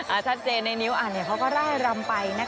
ชัดเจนในนิ้วอ่านเนี่ยเขาก็ไล่รำไปนะคะ